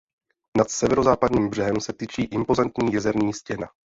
Nad severozápadním břehem se tyčí impozantní jezerní stěna.